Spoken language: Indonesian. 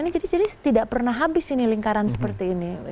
jadi tidak pernah habis ini lingkaran seperti ini